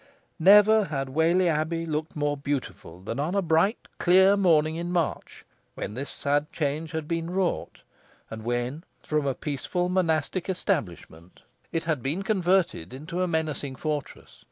Never had Whalley Abbey looked more beautiful than on a bright clear morning in March, when this sad change had been wrought, and when, from a peaceful monastic establishment, it had been converted into a menacing fortress.